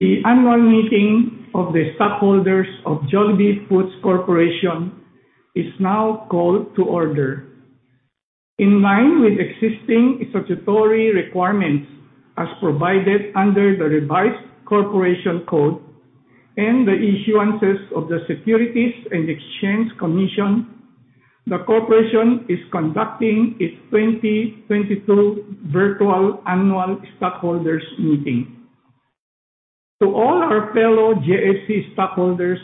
The annual meeting of the stockholders of Jollibee Foods Corporation is now called to order. In line with existing statutory requirements as provided under the Revised Corporation Code and the issuances of the Securities and Exchange Commission, the corporation is conducting its 2022 virtual annual stockholders meeting. To all our fellow JFC stockholders,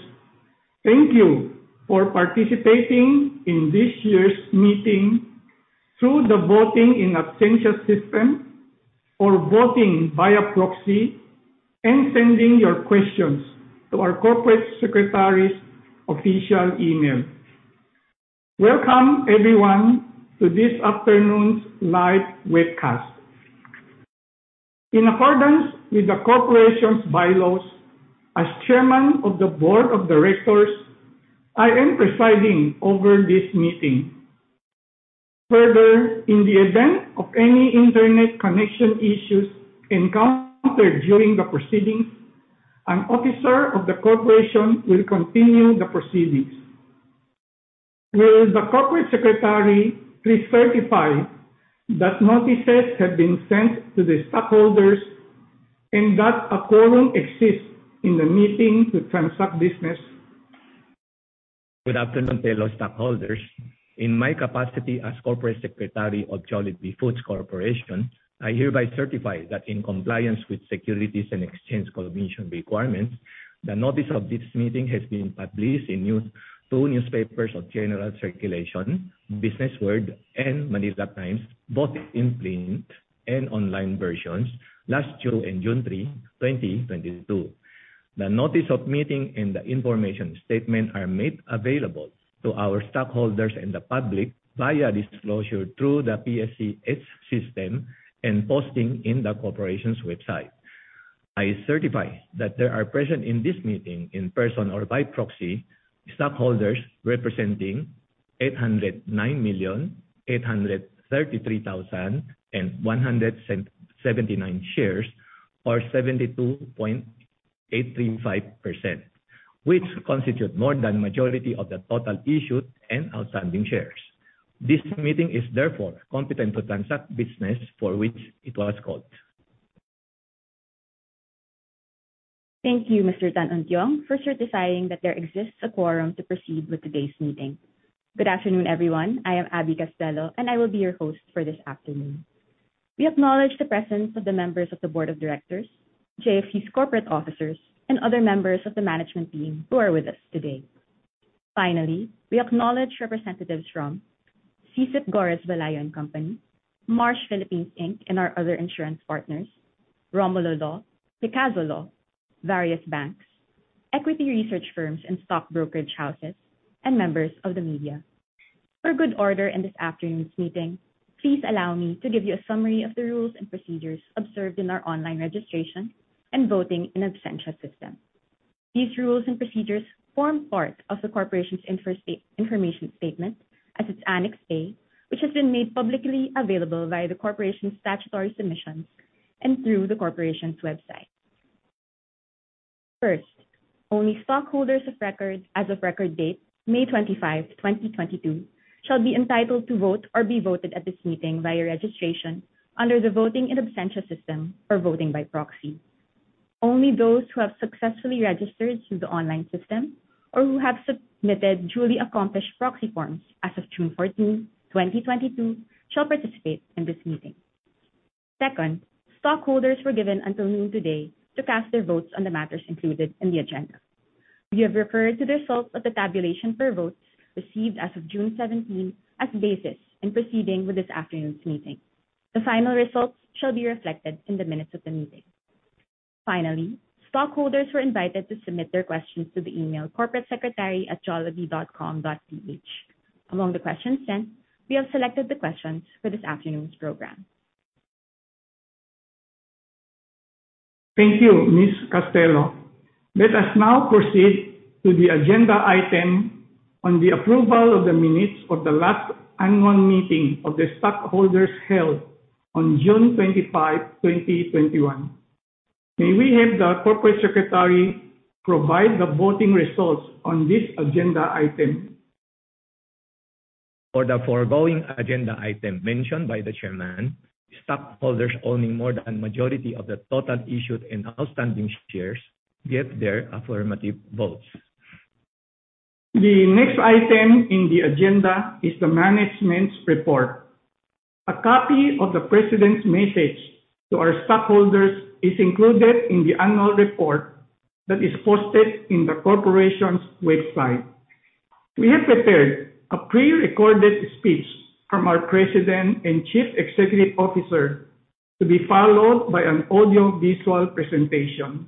thank you for participating in this year's meeting through the voting in absentia system or voting via proxy and sending your questions to our Corporate Secretary's official email. Welcome, everyone, to this afternoon's live webcast. In accordance with the corporation's bylaws, as Chairman of the Board of Directors, I am presiding over this meeting. Further, in the event of any internet connection issues encountered during the proceedings, an officer of the corporation will continue the proceedings. Will the Corporate Secretary please certify that notices have been sent to the stockholders and that a quorum exists in the meeting to transact business? Good afternoon, fellow stockholders. In my capacity as corporate secretary of Jollibee Foods Corporation, I hereby certify that in compliance with Securities and Exchange Commission requirements, the notice of this meeting has been published in two newspapers of general circulation, BusinessWorld and The Manila Times, both in print and online versions last June and June 3, 2022. The notice of meeting and the information statement are made available to our stockholders and the public via disclosure through the PSE EDGE system and posting in the corporation's website. I certify that there are present in this meeting in person or by proxy stockholders representing 809,833,179 shares or 72.835%, which constitute more than majority of the total issued and outstanding shares. This meeting is therefore competent to transact business for which it was called. Thank you, Mr. Tan Untiong, for certifying that there exists a quorum to proceed with today's meeting. Good afternoon, everyone. I am Abby Castello, and I will be your host for this afternoon. We acknowledge the presence of the members of the Board of Directors, JFC's corporate officers, and other members of the management team who are with us today. Finally, we acknowledge representatives from SyCip Gorres Velayo & Co., Marsh Philippines, Inc., and our other insurance partners, Romulo Law, Picazo Law, various banks, equity research firms and stock brokerage houses, and members of the media. For good order in this afternoon's meeting, please allow me to give you a summary of the rules and procedures observed in our online registration and voting in absentia system. These rules and procedures form part of the corporation's information statement as its Annex A, which has been made publicly available via the corporation's statutory submissions and through the corporation's website. First, only stockholders of record as of record date May 25, 2022 shall be entitled to vote or be voted at this meeting via registration under the voting in absentia system or voting by proxy. Only those who have successfully registered through the online system or who have submitted duly accomplished proxy forms as of June 14, 2022 shall participate in this meeting. Second, stockholders were given until noon today to cast their votes on the matters included in the agenda. We have referred to the results of the tabulation per votes received as of June 17 as basis in proceeding with this afternoon's meeting. The final results shall be reflected in the minutes of the meeting. Finally, stockholders were invited to submit their questions to the email corporatesecretary@jollibee.com.ph. Among the questions sent, we have selected the questions for this afternoon's program. Thank you, Ms. Castello. Let us now proceed to the agenda item on the approval of the minutes of the last annual meeting of the stockholders held on June 25, 2021. May we have the corporate secretary provide the voting results on this agenda item. For the foregoing agenda item mentioned by the Chairman, stockholders owning more than majority of the total issued and outstanding shares give their affirmative votes. The next item in the agenda is the management's report. A copy of the president's message to our stockholders is included in the annual report that is posted in the corporation's website. We have prepared a prerecorded speech from our president and chief executive officer to be followed by an audio-visual presentation.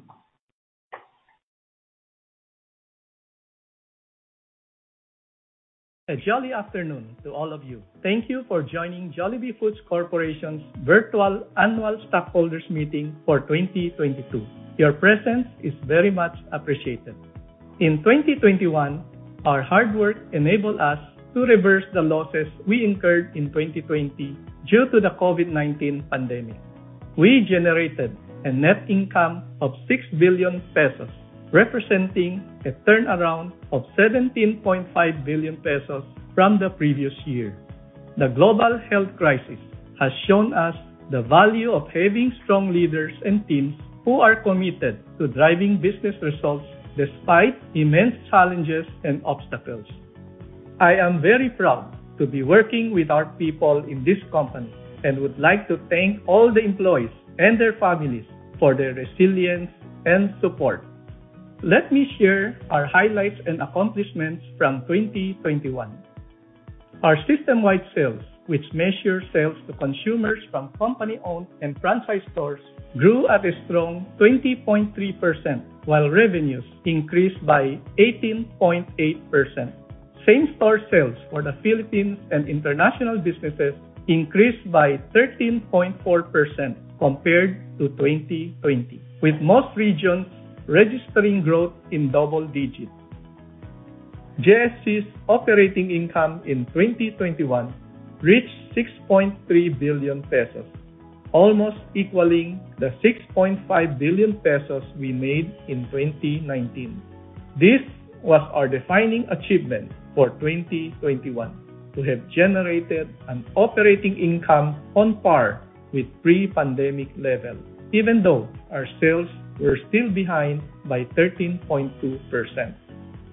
A jolly afternoon to all of you. Thank you for joining Jollibee Foods Corporation's virtual annual stockholders meeting for 2022. Your presence is very much appreciated. In 2021, our hard work enabled us to reverse the losses we incurred in 2020 due to the COVID-19 pandemic. We generated a net income of 6 billion pesos, representing a turnaround of 17.5 billion pesos from the previous year. The global health crisis has shown us the value of having strong leaders and teams who are committed to driving business results despite immense challenges and obstacles. I am very proud to be working with our people in this company and would like to thank all the employees and their families for their resilience and support. Let me share our highlights and accomplishments from 2021. Our system-wide sales, which measure sales to consumers from company-owned and franchise stores, grew at a strong 20.3%, while revenues increased by 18.8%. Same-store sales for the Philippines and international businesses increased by 13.4% compared to 2020, with most regions registering growth in double digits. JFC's operating income in 2021 reached 6.3 billion pesos, almost equaling the 6.5 billion pesos we made in 2019. This was our defining achievement for 2021, to have generated an operating income on par with pre-pandemic levels, even though our sales were still behind by 13.2%.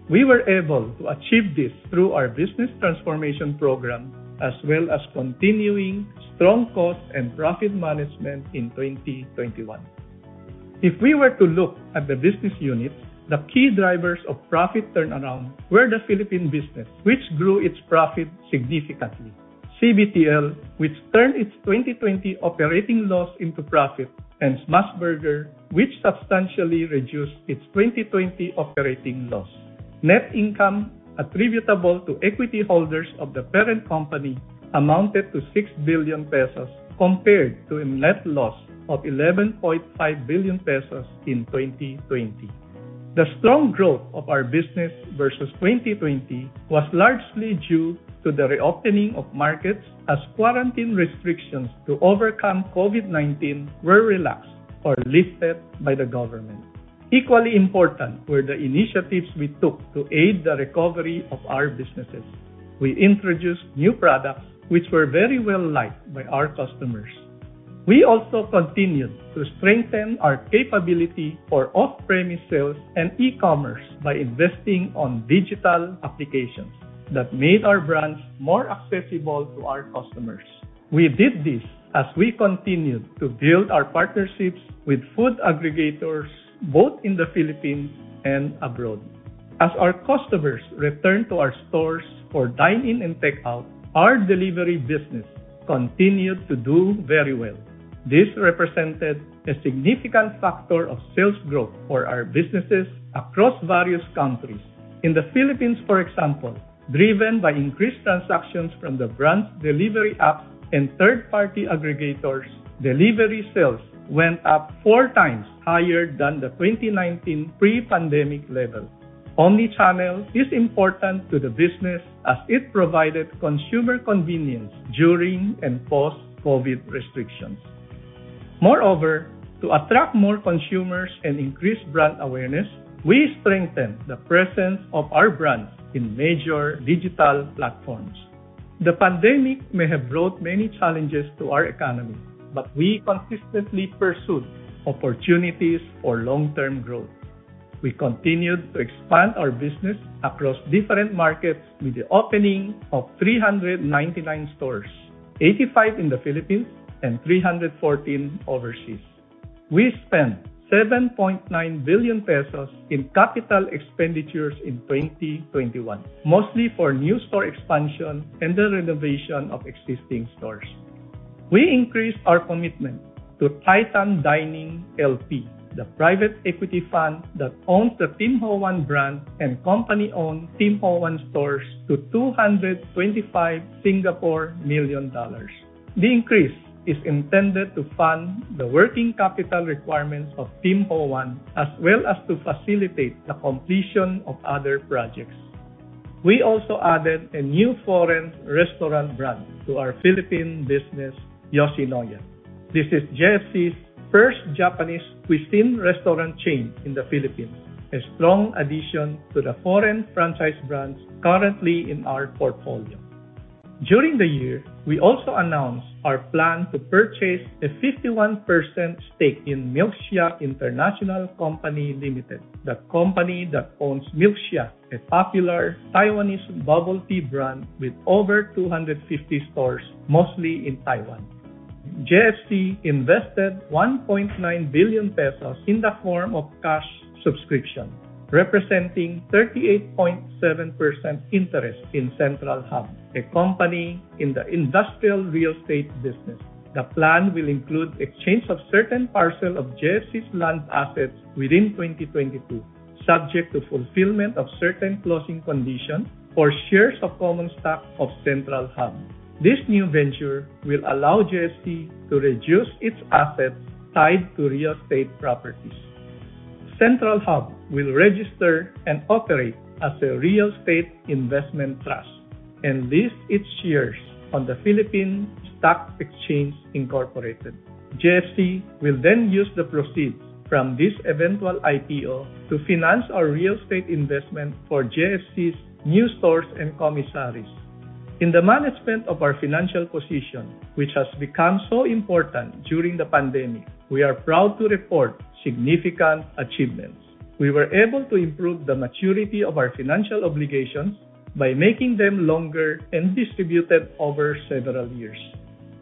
We were able to achieve this through our business transformation program as well as continuing strong cost and profit management in 2021. If we were to look at the business units, the key drivers of profit turnaround were the Philippine business, which grew its profit significantly, CBTL, which turned its 2020 operating loss into profit, and Smashburger, which substantially reduced its 2020 operating loss. Net income attributable to equity holders of the parent company amounted to 6 billion pesos compared to a net loss of 11.5 billion pesos in 2020. The strong growth of our business versus 2020 was largely due to the reopening of markets as quarantine restrictions to overcome COVID-19 were relaxed or lifted by the government. Equally important were the initiatives we took to aid the recovery of our businesses. We introduced new products which were very well-liked by our customers. We also continued to strengthen our capability for off-premise sales and e-commerce by investing in digital applications that made our brands more accessible to our customers. We did this as we continued to build our partnerships with food aggregators both in the Philippines and abroad. As our customers returned to our stores for dine-in and takeout, our delivery business continued to do very well. This represented a significant factor of sales growth for our businesses across various countries. In the Philippines, for example, driven by increased transactions from the brand's delivery apps and third-party aggregators, delivery sales went up 4x higher than the 2019 pre-pandemic level. Omnichannel is important to the business as it provided consumer convenience during and post-COVID restrictions. Moreover, to attract more consumers and increase brand awareness, we strengthened the presence of our brands in major digital platforms. The pandemic may have brought many challenges to our economy, but we consistently pursued opportunities for long-term growth. We continued to expand our business across different markets with the opening of 399 stores, 85 in the Philippines and 314 overseas. We spent 7.9 billion pesos in capital expenditures in 2021, mostly for new store expansion and the renovation of existing stores. We increased our commitment to Titan Dining LP, the private equity fund that owns the Tim Ho Wan brand and company-owned Tim Ho Wan stores, to 225 million dollars. The increase is intended to fund the working capital requirements of Tim Ho Wan as well as to facilitate the completion of other projects. We also added a new foreign restaurant brand to our Philippine business, Yoshinoya. This is JFC's first Japanese cuisine restaurant chain in the Philippines, a strong addition to the foreign franchise brands currently in our portfolio. During the year, we also announced our plan to purchase a 51% stake in Milkshop International Co. Ltd., the company that owns Milksha, a popular Taiwanese bubble tea brand with over 250 stores, mostly in Taiwan. JFC invested 1.9 billion pesos in the form of cash subscription, representing 38.7% interest in CentralHub, a company in the industrial real estate business. The plan will include exchange of certain parcel of JFC's land assets within 2022, subject to fulfillment of certain closing conditions for shares of common stock of CentralHub. This new venture will allow JFC to reduce its assets tied to real estate properties. CentralHub will register and operate as a real estate investment trust and list its shares on the Philippine Stock Exchange, Inc. JFC will then use the proceeds from this eventual IPO to finance our real estate investment for JFC's new stores and commissaries. In the management of our financial position, which has become so important during the pandemic, we are proud to report significant achievements. We were able to improve the maturity of our financial obligations by making them longer and distributed over several years.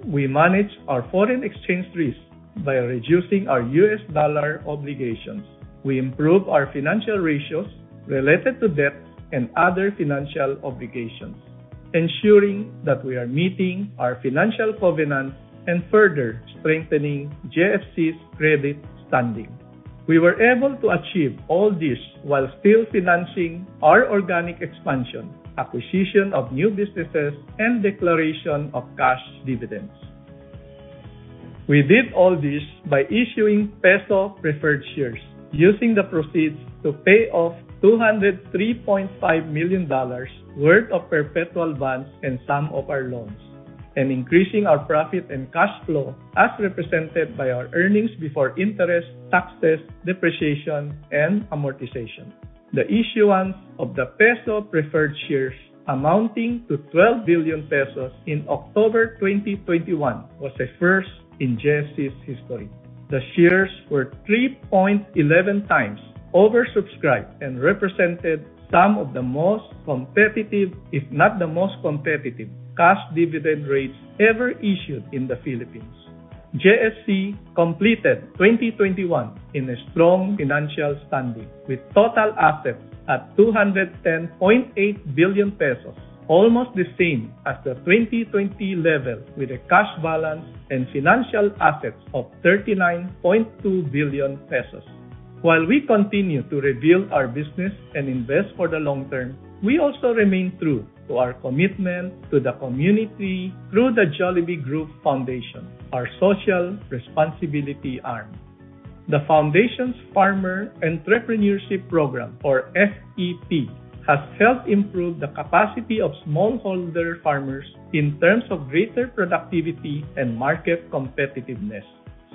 We manage our foreign exchange risk by reducing our U.S. dollar obligations. We improve our financial ratios related to debt and other financial obligations, ensuring that we are meeting our financial covenants and further strengthening JFC's credit standing. We were able to achieve all this while still financing our organic expansion, acquisition of new businesses, and declaration of cash dividends. We did all this by issuing peso preferred shares using the proceeds to pay off $203.5 million worth of perpetual bonds and some of our loans, and increasing our profit and cash flow as represented by our earnings before interest, taxes, depreciation, and amortization. The issuance of the peso preferred shares amounting to 12 billion pesos in October 2021 was a first in JFC's history. The shares were 3.11x oversubscribed and represented some of the most competitive, if not the most competitive, cash dividend rates ever issued in the Philippines. JFC completed 2021 in a strong financial standing with total assets at 210.8 billion pesos, almost the same as the 2020 level, with a cash balance and financial assets of 39.2 billion pesos. While we continue to rebuild our business and invest for the long term, we also remain true to our commitment to the community through the Jollibee Group Foundation, our social responsibility arm. The foundation's Farmer Entrepreneurship Program, or FEP, has helped improve the capacity of smallholder farmers in terms of greater productivity and market competitiveness.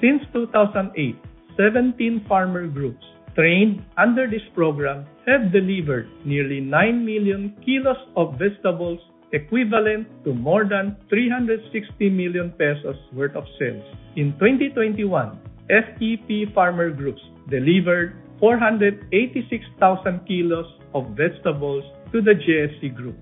Since 2008, 17 farmer groups trained under this program have delivered nearly 9 million kilos of vegetables, equivalent to more than 360 million pesos worth of sales. In 2021, FEP farmer groups delivered 486,000 kilos of vegetables to the JFC Group.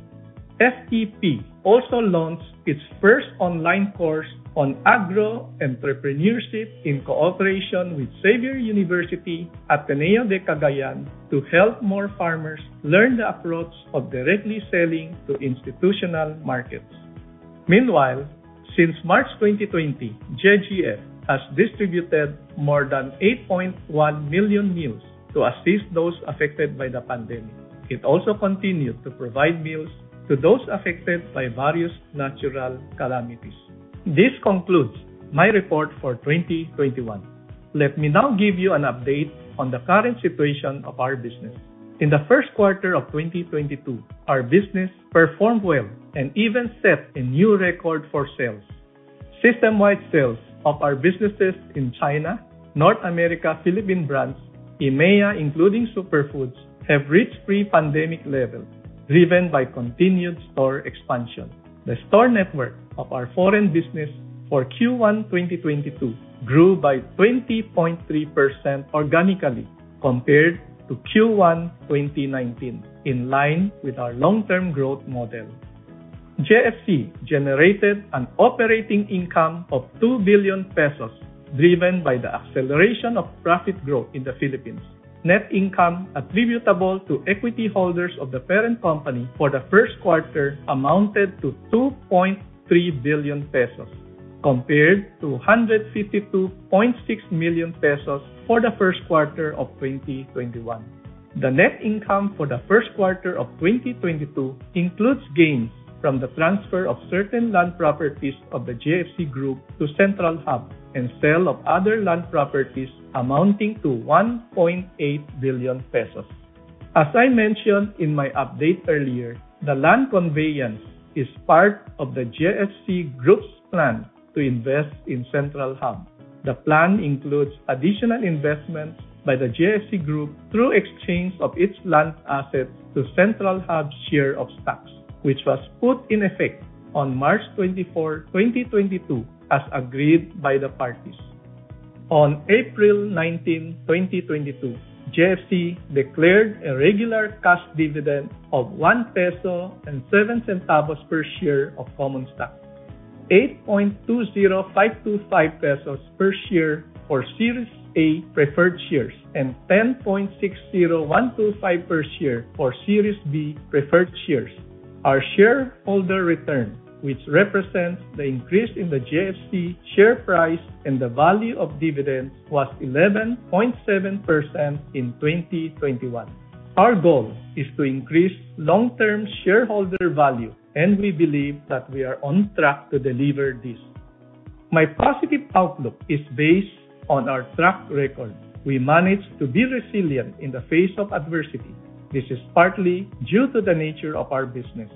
FEP also launched its first online course on agro entrepreneurship in cooperation with Xavier University-Ateneo de Cagayan to help more farmers learn the approach of directly selling to institutional markets. Meanwhile, since March 2020, JGF has distributed more than 8.1 million meals to assist those affected by the pandemic. It also continued to provide meals to those affected by various natural calamities. This concludes my report for 2021. Let me now give you an update on the current situation of our business. In the first quarter of 2022, our business performed well and even set a new record for sales. System-wide sales of our businesses in China, North America, Philippine brands, EMEA, including SuperFoods Group, have reached pre-pandemic levels, driven by continued store expansion. The store network of our foreign business for Q1 2022 grew by 20.3% organically compared to Q1 2019, in line with our long-term growth model. JFC generated an operating income of 2 billion pesos, driven by the acceleration of profit growth in the Philippines. Net income attributable to equity holders of the parent company for the first quarter amounted to 2.3 billion pesos compared to 152.6 million pesos for the first quarter of 2021. The net income for the first quarter of 2022 includes gains from the transfer of certain land properties of the JFC Group to CentralHub and sale of other land properties amounting to 1.8 billion pesos. As I mentioned in my update earlier, the land conveyance is part of the JFC Group's plan to invest in CentralHub. The plan includes additional investments by the JFC Group through exchange of its land assets to CentralHub's share of stocks, which was put in effect on March 24, 2022, as agreed by the parties. On April 19, 2022, JFC declared a regular cash dividend of 1.07 peso per share of common stock. 8.20525 pesos per share for Series A preferred shares, and 10.60125 per share for Series B preferred shares. Our shareholder return, which represents the increase in the JFC share price and the value of dividends, was 11.7% in 2021. Our goal is to increase long-term shareholder value, and we believe that we are on track to deliver this. My positive outlook is based on our track record. We managed to be resilient in the face of adversity. This is partly due to the nature of our business.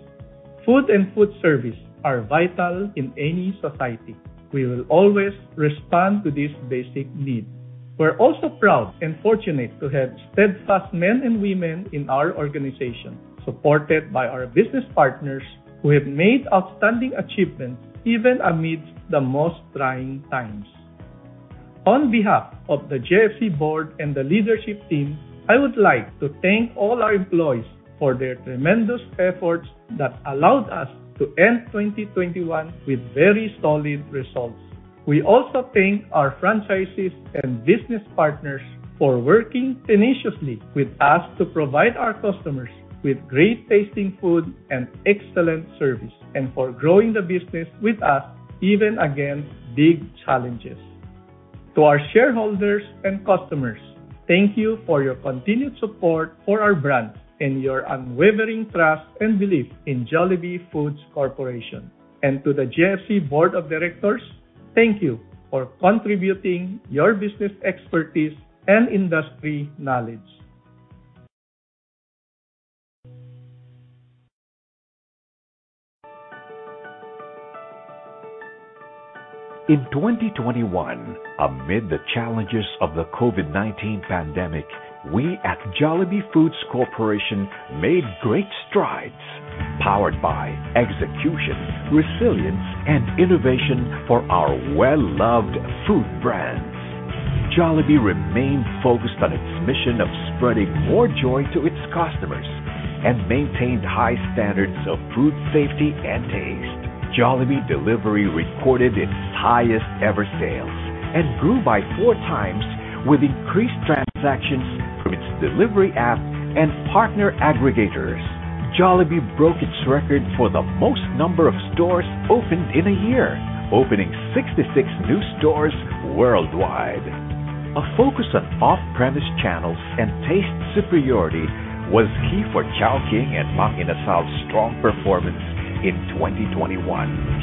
Food and food service are vital in any society. We will always respond to this basic need. We're also proud and fortunate to have steadfast men and women in our organization, supported by our business partners who have made outstanding achievements even amidst the most trying times. On behalf of the JFC Board and the leadership team, I would like to thank all our employees for their tremendous efforts that allowed us to end 2021 with very solid results. We also thank our franchises and business partners for working tenaciously with us to provide our customers with great tasting food and excellent service, and for growing the business with us even against big challenges. To our shareholders and customers, thank you for your continued support for our brand and your unwavering trust and belief in Jollibee Foods Corporation. To the JFC Board of Directors, thank you for contributing your business expertise and industry knowledge. In 2021, amid the challenges of the COVID-19 pandemic, we at Jollibee Foods Corporation made great strides, powered by execution, resilience, and innovation for our well-loved food brands. Jollibee remained focused on its mission of spreading more joy to its customers and maintained high standards of food safety and taste. Jollibee Delivery recorded its highest ever sales and grew by 4x with increased transactions from its delivery app and partner aggregators. Jollibee broke its record for the most number of stores opened in a year, opening 66 new stores worldwide. A focus on off-premise channels and taste superiority was key for Chowking and Mang Inasal's strong performance in 2021.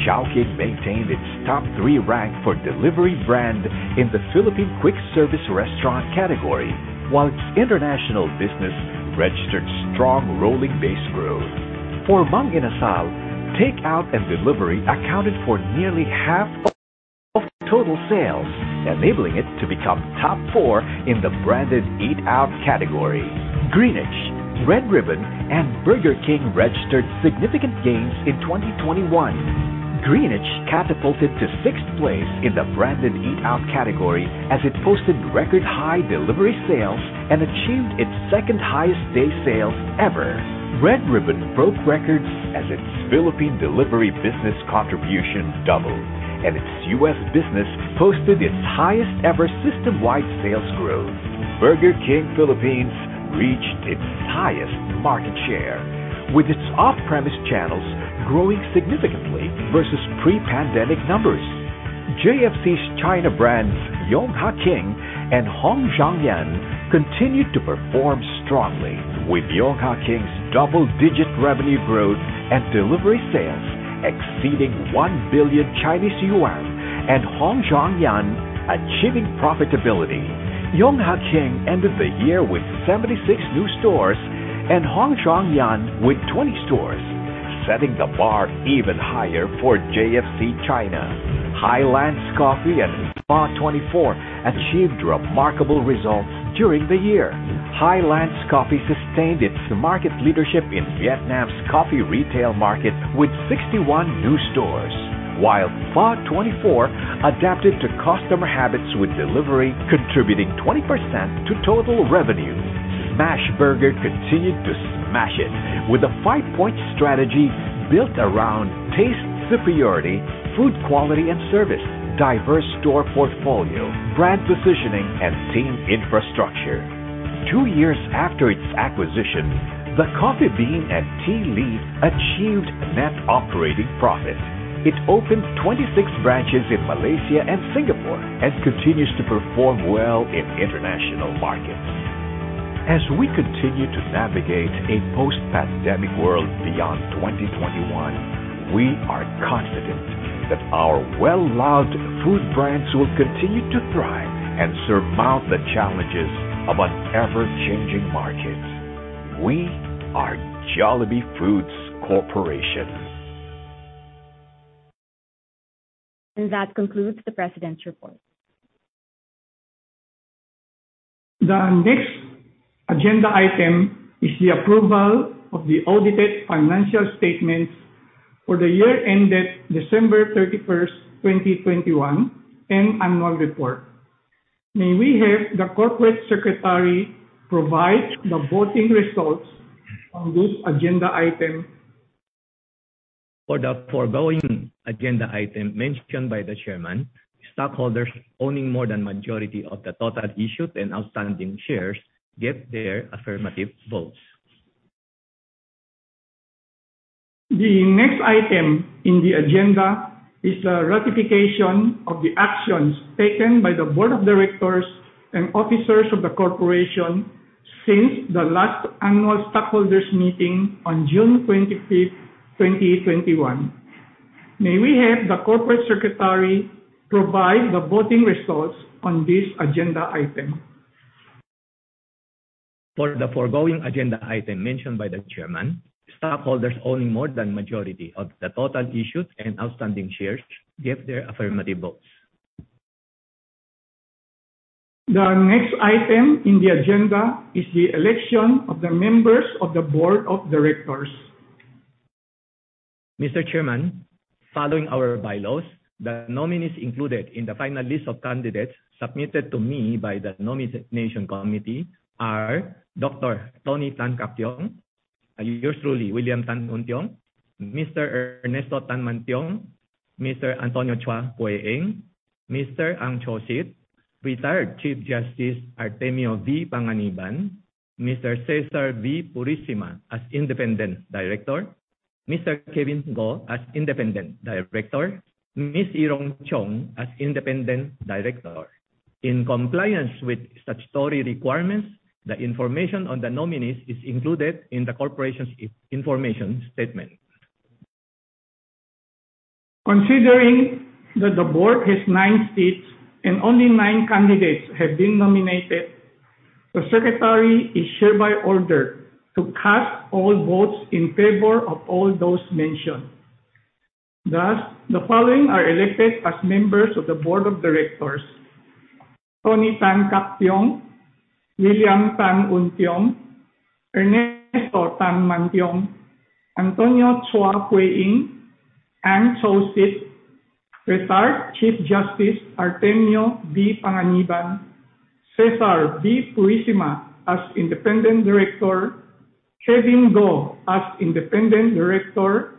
Chowking maintained its top three rank for delivery brand in the Philippine quick service restaurant category, while its international business registered strong rolling base growth. For Mang Inasal, takeout and delivery accounted for nearly half of total sales, enabling it to become top four in the branded eat out category. Greenwich, Red Ribbon, and Burger King registered significant gains in 2021. Greenwich catapulted to sixth place in the branded eat out category as it posted record high delivery sales and achieved its second highest day sales ever. Red Ribbon broke records as its Philippine delivery business contribution doubled, and its U.S. business posted its highest ever system-wide sales growth. Burger King Philippines reached its highest market share, with its off-premise channels growing significantly versus pre-pandemic numbers. JFC's China brands, Yonghe King and Hong Zhuang Yuan, continued to perform strongly with Yonghe King's double-digit revenue growth and delivery sales exceeding 1 billion Chinese yuan and Hong Zhuang Yuan achieving profitability. Yonghe King ended the year with 76 new stores and Hong Zhuang Yuan with 20 stores, setting the bar even higher for JFC China. Highlands Coffee and Pho 24 achieved remarkable results during the year. Highlands Coffee sustained its market leadership in Vietnam's coffee retail market with 61 new stores, while Pho 24 adapted to customer habits with delivery contributing 20% to total revenue. Smashburger continued to smash it with a five-point strategy built around taste superiority, food quality and service, diverse store portfolio, brand positioning, and team infrastructure. Two years after its acquisition, The Coffee Bean & Tea Leaf achieved net operating profit. It opened 26 branches in Malaysia and Singapore and continues to perform well in international markets. As we continue to navigate a post-pandemic world beyond 2021, we are confident that our well-loved food brands will continue to thrive and surmount the challenges of an ever-changing market. We are Jollibee Foods Corporation. That concludes the President's Report. The next agenda item is the approval of the audited financial statements for the year ended December 31, 2021, and annual report. May we have the Corporate Secretary provide the voting results on this agenda item. For the foregoing agenda item mentioned by the Chairman, stockholders owning more than majority of the total issued and outstanding shares give their affirmative votes. The next item in the agenda is the ratification of the actions taken by the Board of Directors and officers of the Corporation since the last annual stockholders meeting on June 25, 2021. May we have the corporate secretary provide the voting results on this agenda item. For the foregoing agenda item mentioned by the Chairman, stockholders owning more than majority of the total issued and outstanding shares gave their affirmative votes. The next item in the agenda is the election of the members of the Board of Directors. Mr. Chairman, following our bylaws, the nominees included in the final list of candidates submitted to me by the Nomination Committee are Dr. Tony Tan Caktiong, and yours truly, William Tan Untiong, Mr. Ernesto Tanmantiong, Mr. Antonio Chua Poe Eng, Mr. Ang Cho Sit, Retired Chief Justice Artemio V. Panganiban, Mr. Cesar V. Purisima as Independent Director, Mr. Kevin Goh as Independent Director, Ms. Ee Rong Chong as Independent Director. In compliance with statutory requirements, the information on the nominees is included in the corporation's information statement. Considering that the board has nine seats and only nine candidates have been nominated, the secretary is hereby ordered to cast all votes in favor of all those mentioned. Thus, the following are elected as members of the Board of Directors: Tony Tan Caktiong, William Tan Untiong, Ernesto Tanmantiong, Antonio Chua Poe Eng, Ang Cho Sit, Retired Chief Justice Artemio V. Panganiban, Cesar V. Purisima as Independent Director, Kevin Goh as Independent Director,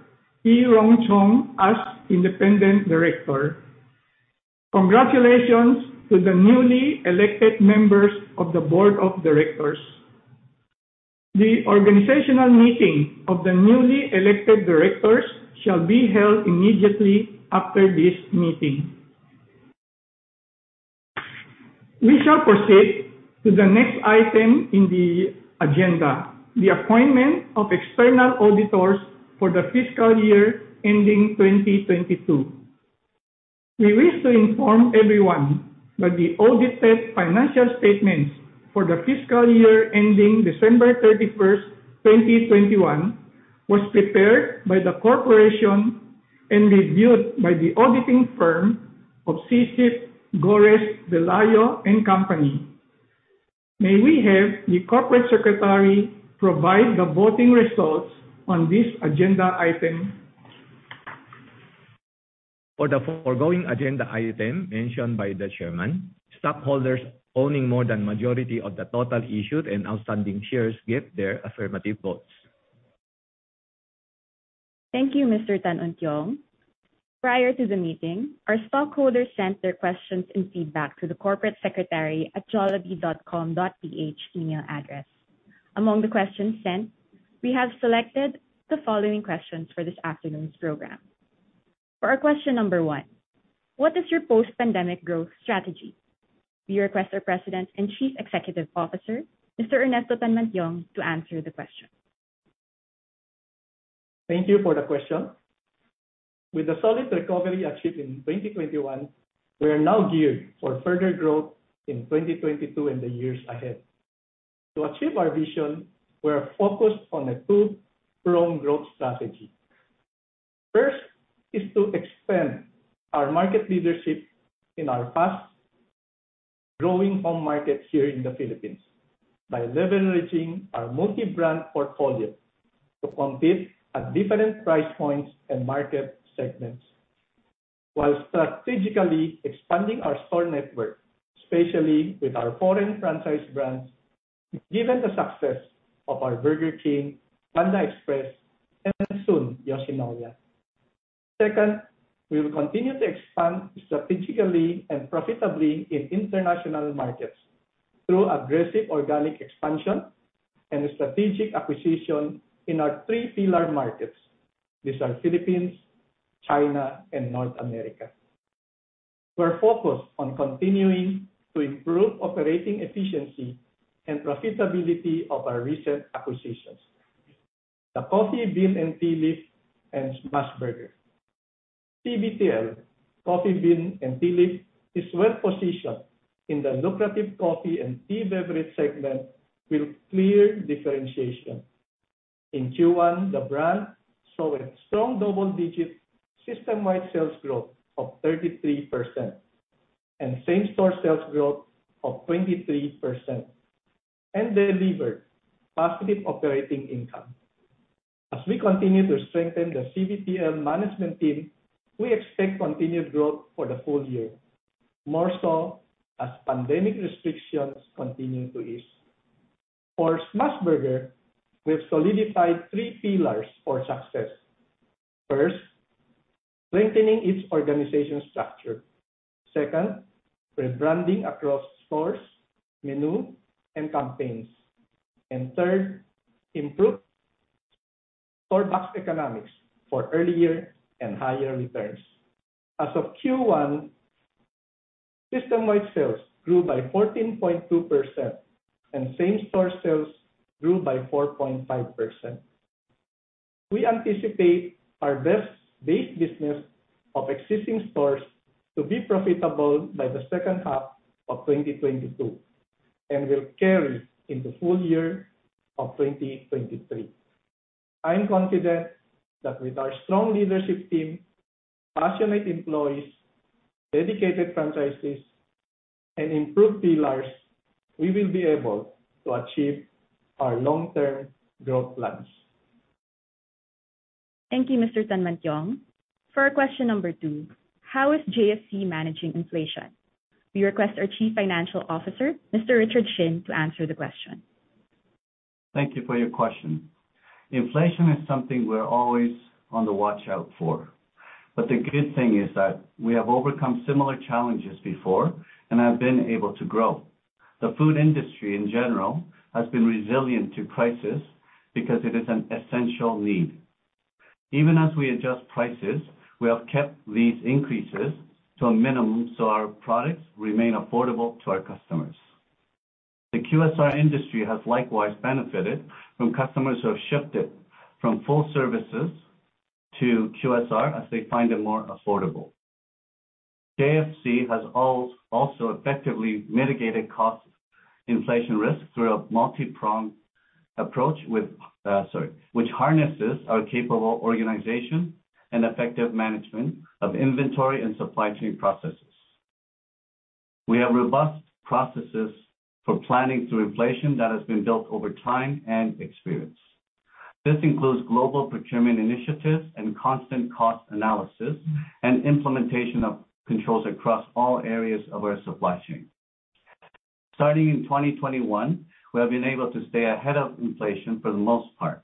Ee Rong Chong as Independent Director. Congratulations to the newly elected members of the Board of Directors. The organizational meeting of the newly elected directors shall be held immediately after this meeting. We shall proceed to the next item in the agenda, the appointment of external auditors for the fiscal year ending 2022. We wish to inform everyone that the audited financial statements for the fiscal year ending December 31, 2021 was prepared by the corporation and reviewed by the auditing firm of SyCip Gorres Velayo & Co. May we have the corporate secretary provide the voting results on this agenda item. For the foregoing agenda item mentioned by the Chairman, stockholders owning more than majority of the total issued and outstanding shares gave their affirmative votes. Thank you, Mr. Tan Untiong. Prior to the meeting, our stockholders sent their questions and feedback to the corporate secretary at jollibee.com.ph email address. Among the questions sent, we have selected the following questions for this afternoon's program. For our question number one. What is your post-pandemic growth strategy? We request our President and Chief Executive Officer, Mr. Ernesto Tanmantiong, to answer the question. Thank you for the question. With the solid recovery achieved in 2021, we are now geared for further growth in 2022 and the years ahead. To achieve our vision, we are focused on a two-pronged growth strategy. First is to expand our market leadership in our fast-growing home market here in the Philippines by leveraging our multi-brand portfolio to compete at different price points and market segments while strategically expanding our store network, especially with our foreign franchise brands, given the success of our Burger King, Panda Express, and soon, Yoshinoya. Second, we will continue to expand strategically and profitably in international markets through aggressive organic expansion and strategic acquisition in our three pillar markets. These are Philippines, China, and North America. We're focused on continuing to improve operating efficiency and profitability of our recent acquisitions, The Coffee Bean & Tea Leaf and Smashburger. CBTL, Coffee Bean & Tea Leaf, is well-positioned in the lucrative coffee and tea beverage segment with clear differentiation. In Q1, the brand saw a strong double-digit system-wide sales growth of 33% and same-store sales growth of 23%, and delivered positive operating income. As we continue to strengthen the CBTL management team, we expect continued growth for the full year, more so as pandemic restrictions continue to ease. For Smashburger, we have solidified three pillars for success. First, strengthening its organization structure. Second, rebranding across stores, menu, and campaigns. Third, improved store box economics for earlier years and higher returns. As of Q1, system-wide sales grew by 14.2% and same-store sales grew by 4.5%. We anticipate our best base business of existing stores to be profitable by the second half of 2022 and will carry in the full year of 2023. I'm confident that with our strong leadership team, passionate employees, dedicated franchises, and improved pillars, we will be able to achieve our long-term growth plans. Thank you, Mr. Tanmantiong. For question number two, how is JFC managing inflation? We request our Chief Financial Officer, Mr. Richard Shin, to answer the question. Thank you for your question. Inflation is something we're always on the watch out for, but the good thing is that we have overcome similar challenges before and have been able to grow. The food industry in general has been resilient to crisis because it is an essential need. Even as we adjust prices, we have kept these increases to a minimum, so our products remain affordable to our customers. The QSR industry has likewise benefited from customers who have shifted from full services to QSR as they find it more affordable. JFC has also effectively mitigated cost inflation risk through a multi-pronged approach with, sorry, which harnesses our capable organization and effective management of inventory and supply chain processes. We have robust processes for planning through inflation that has been built over time and experience. This includes global procurement initiatives and constant cost analysis and implementation of controls across all areas of our supply chain. Starting in 2021, we have been able to stay ahead of inflation for the most part.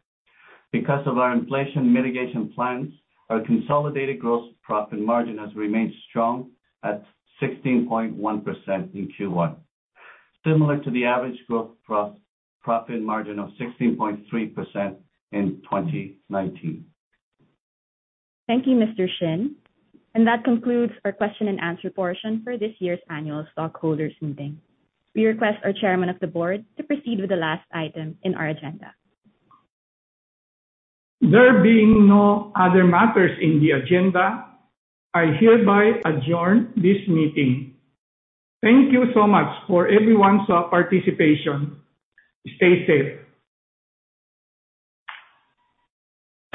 Because of our inflation mitigation plans, our consolidated gross profit margin has remained strong at 16.1% in Q1, similar to the average growth profit margin of 16.3% in 2019. Thank you, Mr. Shin. That concludes our question and answer portion for this year's annual stockholders meeting. We request our Chairman of the board to proceed with the last item in our agenda. There being no other matters in the agenda, I hereby adjourn this meeting. Thank you so much for everyone's participation. Stay safe.